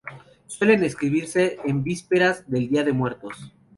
Suelen escribirse en vísperas del Día de Muertos.